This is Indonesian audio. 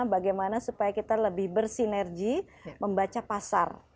bagaimana supaya kita lebih bersinergi membaca pasar